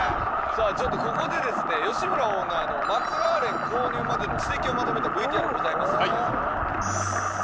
さあちょっとここでですね吉村オーナーのマクラーレン購入までの軌跡をまとめたＶＴＲございますので。